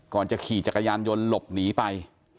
จะขี่จักรยานยนต์หลบหนีไป